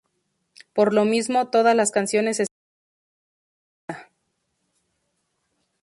Por lo mismo, todas las canciones están compuestas por Violeta.